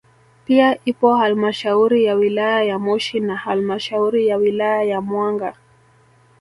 Pia ipo halmashauri ya wilaya ya Moshi na halmashauri ya wilaya ya Mwanga